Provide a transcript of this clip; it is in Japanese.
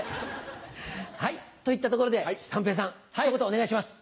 はいといったところで三平さんひと言お願いします。